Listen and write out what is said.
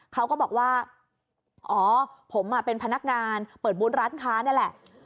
เขาก็บอกว่าอ๋อผมเป็นพนักงานเปิดบูธร้านค้านี่แหละ